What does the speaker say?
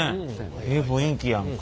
ええ雰囲気やんか。